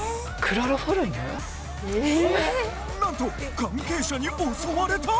なんと関係者に襲われた！？